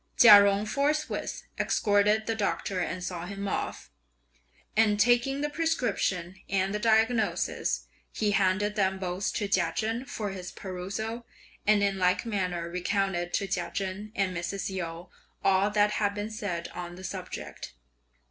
Chia Jung forthwith escorted the Doctor and saw him off, and taking the prescription and the diagnosis, he handed them both to Chia Chen for his perusal, and in like manner recounted to Chia Chen and Mrs. Yu all that had been said on the subject.